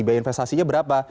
biaya investasinya berapa